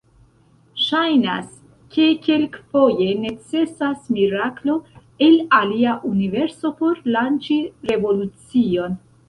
Ŝajnas, ke kelkfoje necesas miraklo el alia universo por lanĉi revolucion.